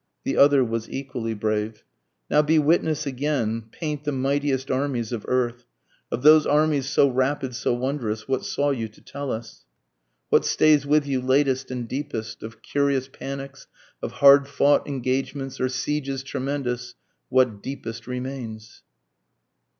the other was equally brave;) Now be witness again, paint the mightiest armies of earth, Of those armies so rapid so wondrous what saw you to tell us? What stays with you latest and deepest? of curious panics, Of hard fought engagements or sieges tremendous what deepest remains?